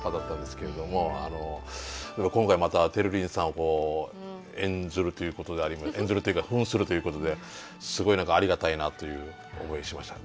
今回またてるりんさんを演ずるということ演ずるというかふんするということですごい何かありがたいなという思いしました。